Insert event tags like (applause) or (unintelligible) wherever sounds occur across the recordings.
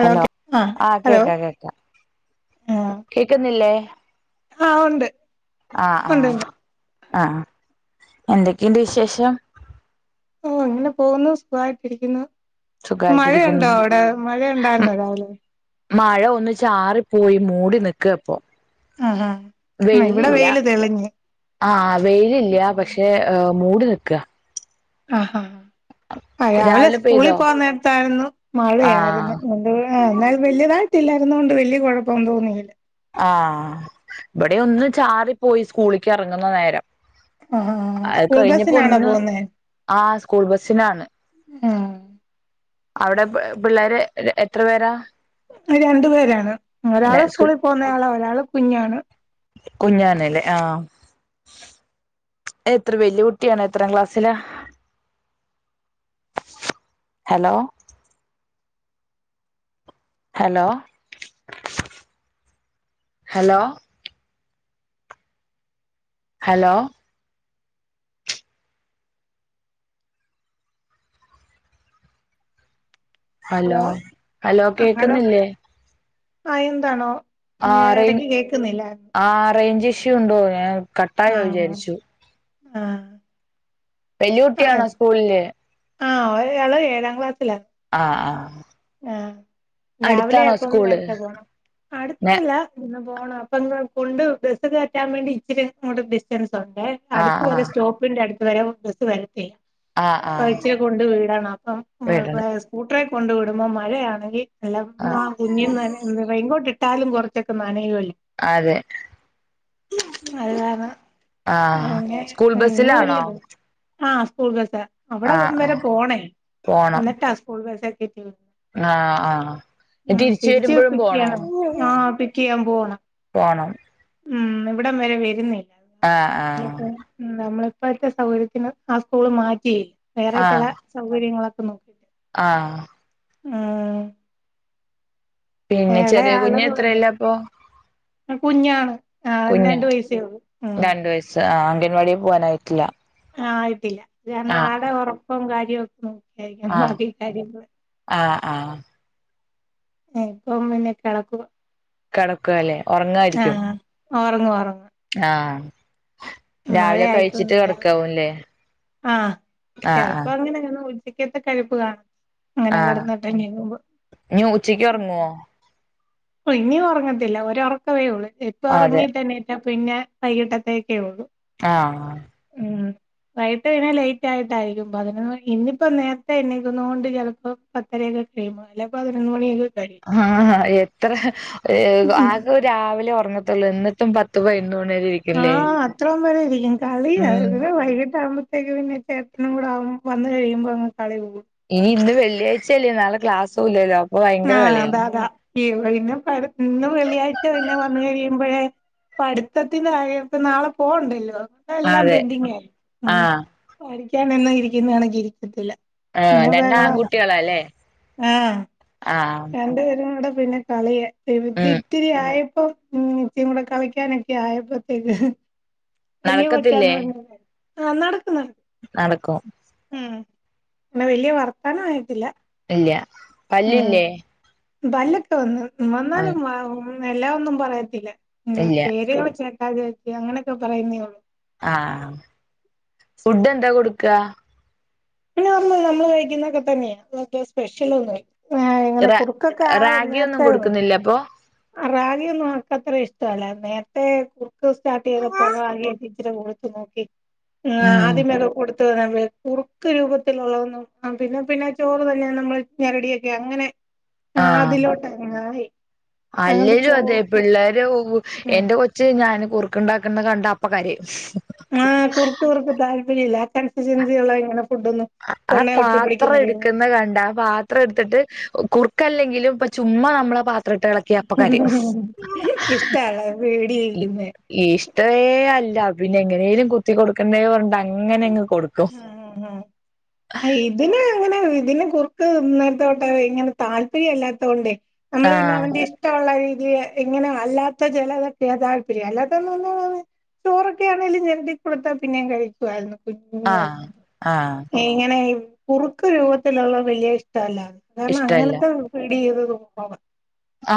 Hello ആ ആഹ് hello കേക്കാം കേക്കാം കേക്കുന്നില്ലേ. ആഹ് ഒണ്ട്. ആഹ് ആഹ് ആഹ് എന്തൊക്കെയുണ്ട് വിശേഷം. ഓ അങ്ങനെ പോവുന്നു സുഖായിട്ടിരിക്കുന്നു. സുഖായിട്ടിരിക്കുന്നു മഴയുണ്ടോ അവിടെ മഴയുണ്ടായിരുന്നോ രാവിലെ. മഴയൊന്ന് ചാറിപ്പോയി മൂടി നിക്കാപ്പോ. ആഹ് ആഹ് ഇവിടെ വെയിലില്യ. വെയില് തെളിഞ്ഞ് ആഹ് വെയിലില്യ പക്ഷെ മൂടി നിക്കാ ആഹ് ഹാ ആഹ് രാവിലെ സ്കൂളിൽ പോവാൻ നേരത്തായിരുന്നു മഴയായിരുന്നു ആഹ് എ എന്നാലും വലുതായി ട്ടിലാരുന്നോണ്ട് വല്യ കൊഴപ്പോന്നും തോന്നിയില്ല. ആഹ് ഇവിടെയൊന്ന് ചാറിപോയി സ്കൂളിക്ക് എറങ്ങുന്ന നേരം. ആ അത് സ്കൂൾ ബസ്സിനാണോ കഴിഞ്ഞപ്പോന്ന് ആഹ് സ്കൂൾ ബസിനാണ് ആഹ്. അവിടെ പിള്ളേര് എത്ര പേരാ രണ്ടു പേരാണ് ഒരാള് സ്കൂളിൽ പോകുന്നയാള് ഒരാള് കുഞ്ഞാണ് കുഞ്ഞാനല്ലെ ആഹ് എത്ര വല്യ കുട്ടിയാണ് എത്രാം ക്ലാസ്സിലാ hello hello hello hello hello hello കേക്കുന്നില്ലേ ആഹ് എന്താണോ ആഹ് റേ ഇടക്ക് കേൾക്കുന്നില്ലായിരുന്നു ആഹ് റേഞ്ച് ഇഷ്യൂ ഉണ്ടോ ഞാൻ കട്ടായോ ആഹ് വിചാരിച്ചു ആഹ് വല്യ കുട്ടിണോ ആഹ് സ്കൂളില് ആഹ് ഒരാള് ഏഴാം ക്ലാസ്സിലാ ആ ആ ആഹ് രാവിലെ അടുത്താണോ അയപ്പൊ സ്കൂള് നേരത്തെ പോണം നെ അടുത്തല്ല ഇന്ന് പോണം അപ്പൊ ന്ന് കൊണ്ട് ബസ് കേറ്റാൻ വേണ്ടി ഇച്ചിരി അങ്ങോട്ട് ഡിസ്റ്റൻസ് ഉണ്ടേ ആ അടുത്ത് ആ വരെ സ്റ്റോപ്പിന്റെ അടുത്ത് വരെ ബസ്സ് വരത്തി ആഹ് ആഹ് ഉച്ച കൊണ്ടു വീടണം അപ്പം സ്കൂട്ടറെ കൊണ്ടു വിടുമ്പോ മഴയാണെങ്കി നല്ല ആ ആഹ് കുഞ്ഞി നനയൊ റൈൻ കോട്ട് ഇട്ടാലും കൊറച്ചൊക്കെ നനയുവ അതെ അത് കാരണം ആഹ് അങ്ങനെ സ്കൂൾ ഇന്ന് ബസിലാണോ? വല്യ ആഹ് സ്കൂൾ ബസ്സ അവിടെ ആ വരെ പോണേ എന്നിട്ടാ സ്കൂൾ ബസ്സൊക്കെ (unintelligible) ആഹ് ആഹ് തിരിച്ച് വരുമ്പഴും പിക്ക് പോണോ ചെയ്യണം ആ പിക്ക് ചെയ്യാൻ പോണം പോണം ഉം ഇവിടം വരെ വരുന്നെ ആ (unintelligible) നമ്മളിപ്പോഴത്തെ സൗകര്യത്തിന് ആഹ് സ്കൂള് മാറ്റി വേറെ ചില സൗകര്യങ്ങളൊക്കെ നോക്കി ആഹ് ഉം പിന്നെ ചെറിയ എളയാള് കുഞ്ഞ എത്രല്ല വന്നേക്കും അപ്പൊ കുഞ്ഞാണ് ആഹ് രണ്ട് വയസേയുള്ളൂ ഉം രണ്ടു വയസ്സ് ആഹ് അംഗൻവാടില് പോവാനായിട്ടില്ല ആഹ് ആയിട്ടില്ല കാരണം ആ ആടെ ഉറക്കം കാര്യവും ഒക്കെ നോക്കിയായിരിക്കാം അ കാര്യക്കെ ആഹ് ആഹ് ഇപ്പം പിന്നെ കിളക്കു കിടക്കുവല്ലേ ഒറങ്ങായിരിക്കും ഉറങ്ങുവാ ഒറ ആഹ് മഴ രാവിലെ കഴിച്ചിട്ട് ആയിട്ടൊന്നുമില്ല കെടക്കാവൂല്ലേ ആഹ് ചെലപ്പോ അങ്ങനെ (unintelligible) കഴുപ്പ് കാണും അങ്ങനെ കെടന്ന് (unintelligible) ഞ്ഞ് ഉച്ചക്ക് ഒറങ്ങുവോ? പ ഇനി ഉറങ്ങത്തില്ല ഒരറക്കമേ ഒള്ളൂ എപ്പ അതെ ഇറങ്ങി തന്നെ പിന്നെ പിന്നെ വൈകിട്ടത്തേക്കെ ഒള്ളൂ ആഹ് വൈകിട്ട് പിന്നെ ലൈറ്റ് ആയിട്ടായിരിക്കും അതിന് ഇന്നിപ്പോ നേരത്തെ എണ്ക്കുന്നത് കൊണ്ട് ചെലപ്പോ പത്തരയൊക്കെ കഴിയും അല്ലെ പതിനൊ മണിയൊക്കെ കഴിയും ആഹ് എത്ര ആകെ രാവിലെ ഒറങ്ങത്തുള്ളൂ എന്നിട്ടും പത്ത് പതിനന്ന് മണിവരെക്കെ (unintelligible) ആഹ് അത്രം വരെ ഇരിക്കും കളിയ ഉം ഇ വൈകിട്ട ആകുമ്പ (unintelligible) വന്ന് കഴിയുമ്പോ അങ് കളി പോകും ഇനി ഇന്ന് വെള്ളിയാഴ്ചയല്ലേ നാളെ ക്ലാസൂല്ലല്ലോ ആഹ് അതാ ത പിന്നെ ഇന്ന് വെള്ളിയാഴ്ച പിന്നെ വന്നു കഴിയുമ്പഴേ ഇപ്പ പട്ത്തത്തിന്റെ കാര്യം ഇപ്പ നാളെ പോവ്ണ്ടല്ലോ അ എല്ലാം അതെ പെന്ഡിങ്ങ് ആയിര് ഉം ആ പഠിക്കാനൊന്നും ഇരിക്കുന്നാണെങ്കിൽ ഇരിക്കത്തില്ല ആഹ് പിന്നെ രണ്ട് ബഹളവാ ആൺകുട്ടികളല്ലേ ആഹ് രണ്ടു പേരുംകൂടെ പിന്നെ കളിയ കര്തി ഉം ഒത്തിരി ആയപ്പോ ഉം (unintelligible) കളിക്കാനൊക്കെ ആയപ്പോത്തേക്ക് വലിയ കൊച്ചാന്ന് നടക്കത്തില്ലേ പറഞ്ഞ് ആഹ് നടക്കുന്ന് നടക്കും ഉം പിന്നെ വലിയ വർത്തനം ആയിട്ടില്ല ഇല്ല ഉം പല്ലില്ലേ പല്ലൊക്കെ വന്ന് ആഹ് വന്നാലും എല്ലാം ഒന്നും പറയത്തില്ല ഇല്ല പേര് (unintelligible) അങ്ങനെയൊക്കെ പറയുന്നേള്ളൂ ആഹ ഫുഡ് എന്താ കൊടുക്കുക പിന്നെ നമ്മള് നമ്മള് കഴിക്കുന്നൊക്കെ തന്നെയാണ് സ്പെഷ്യലോന്നന്ന് ഇല്ല ഇങ്ങനെ കുറുക്കൊക്കെ ആദ്യം നേരത്തെ കൊടുത്തു ല്ലപ്പോ റഗിയ ഒന്നും അവക്കത്ര ഇഷ്ട അല്ലേ നേരത്തെ കുറുക്ക് സ്റ്റാർട്ട് ചെയ്തപ്പോലെ റഗിയ ഇി തിന്നോക്കി ഉം ആദ്യമേെ കൊടു കുറുക്ക് രൂപത്തിലുള്ളതന്നും പിന്നെ പിന്നെ ചോറ് തന്നെ നമ്മൾ ഞരടിയൊക്കെ അങ്ങനെ ഉ ആഹ അതിലോട്ട അല്ലലും അതെ പിള്ളേര് എന്റെ കൊ ച്ച്. ഞാന് കുറുക്ക ഉണ്ടാക്കുന്ന കണ്ട അപ്പ കരയും ആഹ കുറക്ക് കുറക്ക ത അില്ലാ കൺസിസ്റ്റൻസ ഉള്ളോ എങ്ങന ഫുഡ ഒന്നും ആ പാത്രം എടുക്കുന്ന കണ്ട പാത്രം എടുത്തിട്ട് കുറുക്കല്ലെങ്കിലും ഇപ്പ ചുമ്മാ നമ്മളെ പാത്ര ഇട്ട് എളക്കും ഇഷ്ട മഅല്ലെ (inaudible) ഇഷ്ടേ അല്ല പിന്നെ എങ്ങനെേലും കുത്തി കൊടുക്കണ്ടേ പറഞ്ഞ് അങ്ങനെ അങ് കൊടുക്കും ആഹ ആ ആഹ അ ഇതിന് അങ്ങനെ ഇതിനെ കുർക്ക് നേരത്തോട്ടെ ഇങ്ങനെ താല്പര്യംല്ലാത്തോണ്ടേ നമ്മള് പിന്നെ ആഹ് അവന്റെ ഇഷ്ടം ഇഷ്ടുള്ള രീതിൽ ഇങ്ങനെ അല്ലാത്ത ചിലതൊക്കയതാല്പര്യം അല്ലാത്തൊന്ന ഒന്നാണ് ചോറൊക്കെ ആണെങ്കും ഞെവിടി കൊടുത്തൽ പിന്നേ കഴിക്കുായിരുന്നു കുഞ്ഞു ആഹ് ആഹ് ഇങ്ങനെ കുറുക്ക് രൂപത്തിലുള്ളത് വലിയ ഇഷ്ടമല്ലാണ് കാരണം ഇഷ്ടല്ല അങ്ങനത്തെ പിടി ചെയ്തോന്നും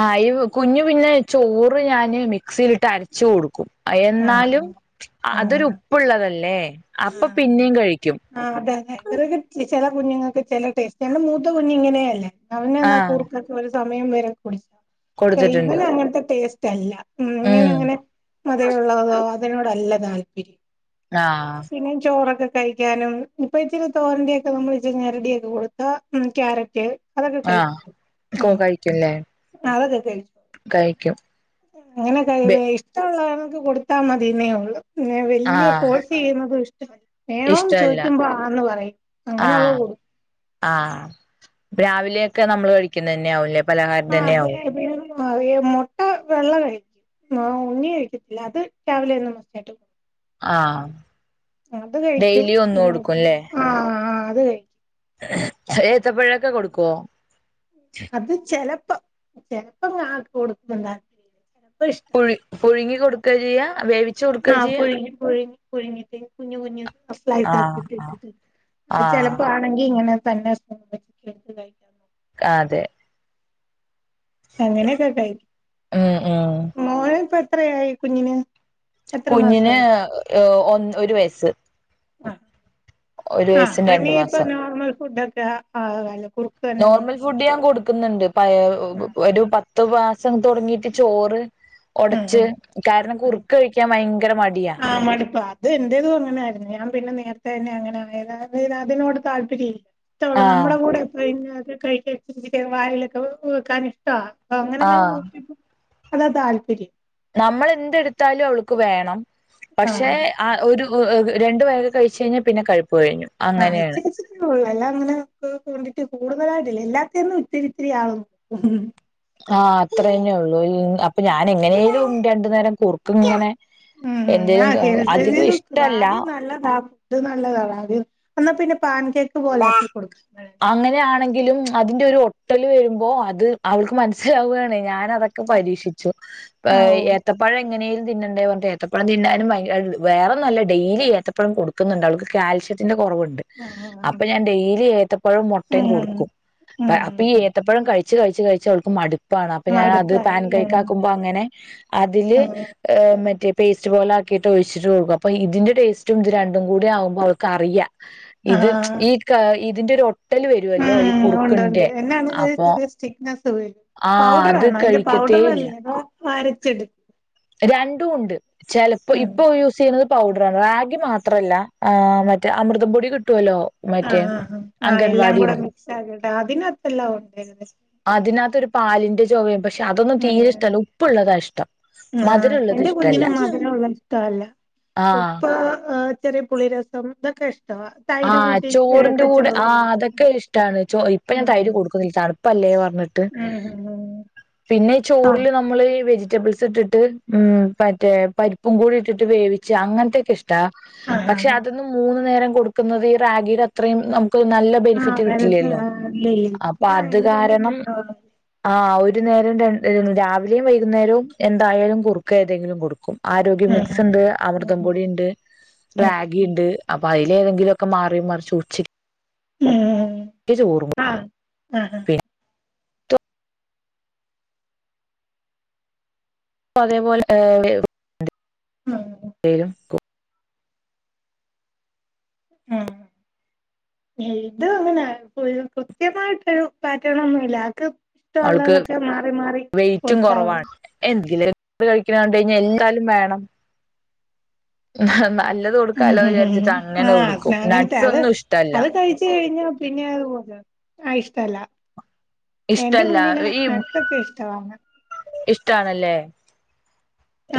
ആ അ കുഞ്ഞു പിന്നെ ചോറ് ഞാന് മിക്സിയിലിട്ട് അരച്ച് കൊടുക്കും എന്നാലും ആഹ് അതൊരു ആഹ് ഉപ്പുള്ളതല്ലേ അപ്പൊ പിന്നെയും കഴിക്കും ആ് അതെതെ ചില കുഞ്ഞുങ്ങൾക്ക് ചില ടേസ്റ്റ് എന്റെ മൂത്ത കുഞ്ഞു ഇങ്ങനെയ അല്ലേ അവനു എന്നാ ആഹ് കുറുക്കൊക്ക ഒരു സമയം വരെ കൊടുത്തിട്ടുണ്ട് ഇവന് അങ്ങനത്തെ ടേസ്റ്റ് അല്ല ഉം ഇങ്ങനങ്ങനെ അതേുള്ളതോ അതിനോടല്ല താല്പര്യം ആഹ് പിന്നും ചോറൊക്കെ കഴിക്കും ക്കാനും ഇപ്പ ഇച്ചിരി തോരണ്ന്റെയൊക്കെ നമ്മൾ ഇച്ചിരി ഞെരിഒക്കെ കൊടുത്താ കാരറ്റ് അതൊക്കെ ആഹ് കഴിക്കും കോ ഉം കഴിക്കുംല്ലേ അതൊക്കെ കഴിക്കും കഴിക്കും അങ്ങനെ ക ഇഷ്ടമുള്ളവക്ക് കൊടുത്താ മതിന്നേ ഉള്ളു വല്യ ആഹ് ഫോഴ്സ് ചെയ്യുന്നതും ഇഷ്ടമല്ല വേണോ ഇഷ്ടല്ല ചോദിക്കുമ്പോ ആന്ന് പറയും അങ്ങനെ ഉുള്ളത് കൊടുക്കും ആഹ രാവിലെയൊക്കെ നമ്മൾ കഴിക്കുന്നത് തന്നെ ആവലേ ആ അത അ ആ മുട്ട വെള്ള കഴിക്കും ഉണ്ണി കഴിക്കത്തില്ല അത് രാവിലെ തന്ന് മസറ്റായിട്ട് പോവും ആഹ് ഡെയിലി ഒന്ന് കൊടുക്കുംല്ലേ ആഹ് ആഹ് അത ഏത്തപ്പഴൊക്കെ കൊടുക്കുവോ അത് ചിലപ്പോ ചിലപ്പം കാ കൊടുക്കുമ താപര്യ ചിലപ്പോ ഇഷ്ട പുഴു പുഴുങ്ങി കൊടുക്കുക ചെയ്യാ വേ ആഹ് പുഴുങ്ങി പുഴുങ്ങി പുഴുങ്ങിട്ട കുഞ്ഞു കുഞ്ഞു ആഹ് ആഹ് ഫ്ലൈിട്ടട്ട ആഹ് ചിലപ്പോപ്പ ആണെങ്കിൽ ഇങ്ങനെ തന്നെ കഴിക്ക അ അതെ അങ്ങനെയൊക്കെ കഴിക്കും ഉം ഉം മോന ഇപ്പ എത്രയായി കുഞ്ഞിന് എത്ര കുഞ്ഞിന് മാസായി ഒന്ന് ഒരു വയസ്സ് ഒരു ആഹ് വയസ്സും ആപ്പനി രണ്ടു ഇപ്പ മാസം നോർമൽ ഫുഡൊക്കെ ആകാലൊ നോർമൽ ഫുഡ് ഞാൻ കൊടുക്കുന്നുണ്ട് പ ആ ഒരു പത്ത് മാസം തുടങ്ങിട്ട് ചോറ് ഒടച്ച് ആ കാരണം ആ കുറുക്ക് കഴിക്കാൻ ഭയങ്കര മടിയാ ആ മടുപ്പ അത് എന്റേതും അങ്ങനൊയിരുന്നു ഞാൻ പിന്നെ നേരത്തെ തന്നെ അങ്ങനെ ആയത് അതിനോട് താല്പര്യംല്ല ഇഷ്ട ഉള്ള ആഹ് നമ്മുടെ കൂടെ എപ്പഴും ഇങ്ങനെ ഒക്കെ കഴിക്കാൻ വായിലൊക്കെ വെക്കാൻ ഇഷ്ടവാ അപ്പം അങ്ങനെങ്ങനെ ആഹ് നോക്കിയപ്പോ അതാ താല്പര്യം നമ്മൾ എന്തെടുത്താലും അവൾക്ക് വേണം ആ പക്ഷെ ആഹ് ഒരു രണ്ട് വക കഴിച്ച് കഴിഞ്ഞാൽ പിന്നെ കഴുപ്പ് കഴിഞ്ഞു അങ്ങനെയാണ് ആച്ചരി ള്ളൂ എല്ലാം അങ്ങനെ ക്വാണ്ടിറ്റി കൂടുതലായിട്ടില്ല എല്ലാത്തന്നും ഇത്തിരി ഇത്തിരി ആവും ആഹ് അത്ര തന്നേ ഉള്ളൂ അപ്പൊ ഞാൻ എങ്ങനെലും രണ്ടു നേരം കുർ ക്ക്ങ്ങനെ എന്തേലും അധികം ഇഷ്ടല്ല റാഗി അല്ല ഇത് നല്ലതാ എന്നാൽ പിന്നെ പാൻ കേക്ക് പോലെ ആക്കി കൊടുക്കാ അങ്ങനാണെങ്കിലും അതിന്റെ ഒരു ഒട്ടൽ വരുമ്പോ അത് അവൾക്ക് മനസ്സിലാവാണെ ഞാൻ ഞാൻ അതൊക്കെ പരീക്ഷിച്ചു ആ ഓ എത്തപ്പഴം എങ്ങനേലും തിന്നേണ്ടേ പറഞ്ഞട്ട് ഏത്തപ്പഴ തിന്നാനും വേറെന്നല്ല ഡെയിലി ഏത്തപ്പഴം കൊടുക്കുന്നുണ്ട് അവൾക്ക് കാൽഷ്യത്തിന്റെ കൊറവുണ്ട് ആ ആ, ആ. അപ്പൊ ഞാൻ ഡെയിലി ഏത്തപ്പഴും മുട്ടയും കൊടുക്കും ഉം ഉം അപ്പ ഈ ഉം ഏത്തപ്പഴം കഴിച്ച് കഴിച്ച് കഴിച്ച അവൾക്ക് മടു പ്പാണ് അപ്പൊ ഞാൻ അത് മടുപ്പായി പാൻ ആഹ് കേക്കാക്കുമ്പോ അങ്ങനെ അതില് ആഹ് ഏഹ് മറ്റേ പേസ്റ്റ് പോലാക്കിയിട്ട് ഒഴിച്ചിട്ടു കൊക്കും അപ്പോ ഇതിന്റെ ടേസ്റ്റും ഇത് രണ്ടും കൂടി ആകുമ്പോൾ അവർക്കറിയാം ഇത് ആഹ് ഈ ഇതിന്റെ ഒര് ഒട്ട് ട്ടല് വരുവല്ലോ ഈ കുറുക്കന്റെ അപ്പൊ തിക്നെസ് വരും ആ പൗഡർ അത് ആണോ അതിന്റെ കഴിക്കത്തേ പൗഡർ ഇല്ല വല്ലേ അതോ അരച്ചെടുക്കും രണ്ടും ഉണ്ട് ചെലപ്പോ ഉം ഇപ്പൊ യൂസ് ചെയ്യുന്നത് പൗഡറണ് റാഗി മാത്രല്ല ആഹ് മറ്റേ അമൃത പൊടി കിട്ടുവല്ലോ മറ്റേ ആഹ് ആഹ് ആഹ് എല്ലാം കൂടെ അംഗൻവാടിന്ന് മിക്സ് ആക്കിട്ട് അതിനത്തെല്ലാം ഉണ്ട (unintelligible) അതിനകത്തൊരു പാലിന്റെ ചൊവയും പക്ഷെ അതൊന്നും തീരെ ഉം ഇഷ്ടല്ല ഉപ്പ്ള്ളതാ ഇഷ്ടം ആഹ് മധുരള്ളത് എന്റെ ഇഷ്ടല്ല കുഞ്ഞിനും മധുരള്ളത് ഇഷ്ടല്ല ആഹ് ഉപ്പാ ചെറിയ പുളിരസം ഇതൊക്കെ ഇഷ്ട്ടവ ആഹ് ചോറിന്റെ കൂടെ ആഹ് അതൊക്കെ ഇഷ്ടവാണ് ഇപ്പൊ ഞാൻ തൈര് ഉം കൊടുക്കും (unintelligible) തണുപ്പല്ലേ പറഞ്ഞിട്ട് ഉം ഉം പിന്നെ ഈ ആഹ് ചോറില് നമ്മള് വെജിറ്റബിൾസ് ഇട്ടിട്ട് ഉം മറ്റേ പരി പ്പും കൂടി ഇട്ടിട്ട് വേവിച്ച് അങ്ങനത്തെൊക്കെ ഇഷ് ട്ടാ ആഹ് പക്ഷെ ആഹ് അതൊന്നും മൂന്ന് നേരം കൊടുക്കുന്നത് ഈ റാഗിയുടെ അത്രയും നമുക്ക് നല്ല ആഹ് ബെനിഫിറ്റ് പരത്ത കിട്ടില്ലല്ലോ ഇല്ല ഇല്ല അപ്പൊ ഇത് അത് അയൺ കണ്ടന്റ് കാരണം ഒക്കെ ഉള്ള ആഹ് ഒരു നേരം ര രാവിലെയും വൈകുന്നേരവും എന്തായാലും കുറുക്ക് ഏതെങ്കിലും കൊടുക്കും ആരോഗ്യ മിക്സ്ണ്ട് അമൃതം പൊടിയുണ്ട് റാഗി ഉണ്ട് അപ്പൊ അയ്ല് ഏതെങ്കി ങ്കിലൊക്കെ മാറി മറിച്ച് ഉച്ചക്ക് ഉം ക്ക് ചോറും ആഹ് ആഹ് പിന്നെ ഇപ്പം അതേപോലെ ഏഹ് മ് (unintelligible) ഇത് അങ്ങനെ ഇപ്പൊ ഒരു കൃത്യമായിട്ടൊരു പാറ്റേണൊന്നൂല്ല ആൾക്ക് അവൾക്ക് ഇഷ്ടവുള്ളതൊക്കെ മാറി മാറി കൊടുത്താവും എങ്കില് (unintelligible) കഴിക്കണണ്ട കഴിഞ്ഞാൽ എല്ലാലും വേണം നല്ലത് കൊട് ഉം ആഹ് അങ്ങനത്തെ നട്ട്സ് അത് ഒന്നും ഇഷ്ടല്ല അത് കഴിച്ച് കഴിഞ്ഞ പിന്നെ അഹ് പോലെ ആഹ് ഇഷ്ട്ടല്ല എന്റെ ഇഷ്ടല്ല കുഞ്ഞ്ന് നട്തോക്കെ ഇഷ്ടവാണ് ഇഷ്ടണല്ലേ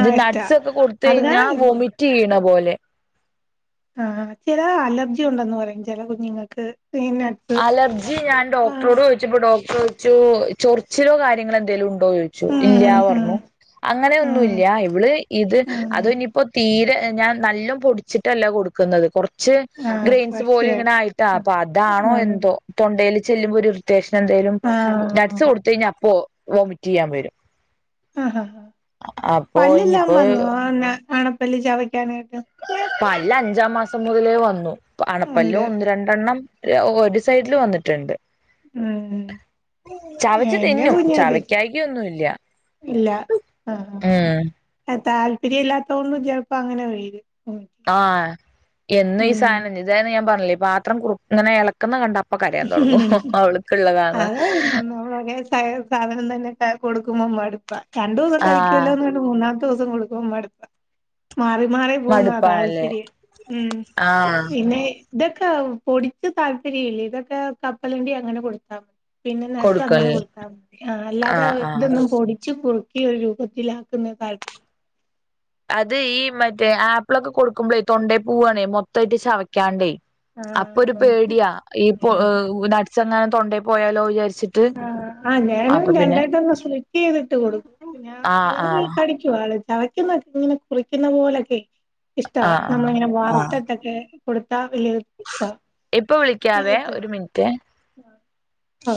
ആ ഇഷ്ട നട്ട്സ്ഒക്കെ കൊടുത് അത് കഴിഞ്ഞാ കാരണം ഇത് കൊടുക്കും വോമിറ്റ് ചെയ്യണ പോലെ ആഹ് ചില അലർജി ഉണ്ടെന്ന് പറയും ചെല കുഞ്ഞുങ്ങൾക്ക് പിന്നെ അലർജി ഞാൻ ഡോക്ടറോട് ചോദിച്ചപ്പോ ഡോക്ടറെദിച്ചു ചൊറിച്ചിലോ കാര്യങ്ങളോ എന്തേലും ഉണ്ടോ ച്ചു ഉം ഇല്ല ഉം ഉം പർഞ്ഞു ഉം അങ്ങനെന്നുമല്ല ഇവള് ഇത് ആഹ് അത ഇനിയിപ്പോ തീരെ ഞാൻ നല്ല പൊടി വച്ചിട്ടല്ല കൊടുക്കുന്നത് കുറച്ച് ആഹ് ഗ്രെയിൻസ് പോലും ഇങ്ങനെ കൃഷിയായിട്ട് ആയിട്ടാ അപ്പൊ അതാ തൊണ്ടയിൽ ചെല്ലുമ്പോ ഒരു ഇറിറ്റേഷൻ എന്തേലും നട്ട്സ് ആഹ് കൊടുത്ത കഴിഞ്ഞാ അപ്പോ വോമിറ്റ് ചെയ്യാൻ വരും ആഹാ അപ്പൊ പല്ലെല്ലാം ഇനിയിപ്പോ വന്നു ആണപ്പല്ലി ചവയ്ക്കാനായിട്ട് പല്ല അഞ്ചാം മാസം മുതലേ വന്നു അണപ്പല്ല് ഉണ്ട് ഒന്ന് രണ്ടെണ്ണം ഒര് സൈഡില് വന്നിട്ട്ണ്ട് ഉം ചവച് എന്റെ തിന്നും കുഞ്ഞിത് ചവയ്ക്കായികഒന്നും ഇല്ല ഇല്ല ആഹ് അ താല്പര്യ ഇല്ലാത്ത കൊണ്ടും ചിലപ്പോ അങ്ങനെ വരും ആഹ് എന്നും ഈ സാധനം ഇതാണ് ഞാൻ പറയല് പാത്രം കു ഇങ്ങനെ എള ഇളക്കണ കണ്ട പ്പം കരയാൻ തുടങ്ങും ഓൾക്ക്ള്ളതാണ് അത് നമ്മളൊരേ സാധനം തന്നെ കൊടുക്കുമോ മട്പ്പ രണ്ടു ദിവസം ആഹ് കഴിക്കുലോന്ന് മൂന്നാമത്തെ ദിവസം കൊടുക്കുമ്പോ മട്പ്പ മാറി മാറി പോകുന്ന മടുപ്പാണല്ലേ താല്പര്യം ഉം ആഹ് പിന്നെ ഇതൊക്കെ പൊടിക്ക് താല്പര്യം ഇല്ലേ ഇതൊക്കെ കപ്പലണ്ടി അങ്ങനെ കൊടുത്താ പിന്നെ ന്ട്സ് അങ്ങനെ കൊടുക്കല്ലേ കൊടുത്താ മതി ആഹ് അല്ലാതെ ഇതൊന്നും പൊടിച്ചു ഇതരു കുറുക്കില്ല ത് ന്ന് താല് അത് ഈ മറ്റേ ആപ്പിളൊക്കെ കൊടുക്കുമ്പോളേ തൊണ്ടേ പൂവണെ മൊത്തയിട്ട് ചവയ്ക്കാണ്ടേ അപ്പൊ ഒരു ആഹ് പേടിയാ ഈപ്പോ നട്സ് എങ്ങാനും തൊണ്ടയി പോയാലോ വിചാരിച്ച് ആഹ് ആഹ് ആഹ് ഞാനും രണ്ടായിട്ട ഒന്ന് സ്റ്റ് ചെയ്തിട്ട് കൊടുക്കും പിന്നെ ആഹ് അതങ്ങ് ആഹ് കടി ചവക്കുന്നഒക്കെ ഇങ്ങനെ കുറിക്കുന്ന പോലൊക്കെ ഇഷ്ടാവ ആഹ് ആഹ് നമ്മളിങ്ങനെ ആഹ് വാർത്തട്ടൊക്കെ കൊടുത്താ വല്യയ ഇപ്പൊ വിളിക്കാവേ ഒരു മിൻറ്റ് ആഹ് അ